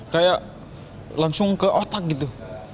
kayak langsung ke otak gitu